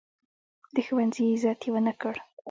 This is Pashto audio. د ښوونځي عزت یې ونه کړ.